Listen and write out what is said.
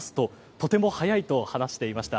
とても早いと話していました。